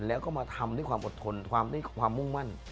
แล้วก็มาทำด้วยความอดทนความมุ่งมั่น